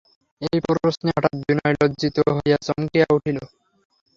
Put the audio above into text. এই প্রশ্নে হঠাৎ বিনয় লজ্জিত হইয়া চমকিয়া উঠিল।